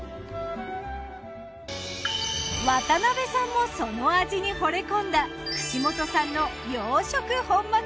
渡辺さんもその味にほれ込んだ串本産の養殖本マグロ。